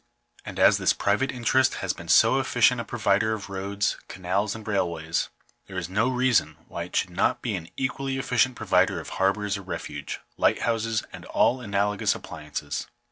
And as this private interest has been so efficient a provider of roads, canals, and railways, there is no reason why it should not be an equally efficient provider of harbours of refuge, lighthouses, and all analogous appliances.